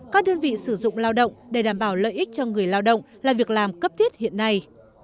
các đơn vị sử dụng lao động để đảm bảo lợi ích cho người lao động là việc làm cấp thiết hiện nay